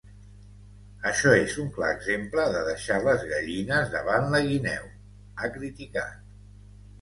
Això és un clar exemple de deixar les gallines davant la guineu, ha criticat.